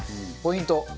ポイント